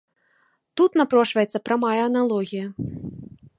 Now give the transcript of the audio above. Тут напрошваецца прамая аналогія.